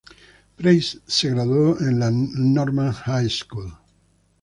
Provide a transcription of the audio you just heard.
Price se graduó en la Norman High School.